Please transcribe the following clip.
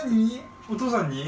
お父さんに？